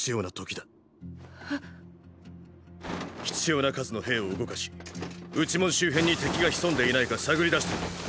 ⁉必要な数の兵を動かし内門周辺に敵が潜んでいないか探り出してくれ。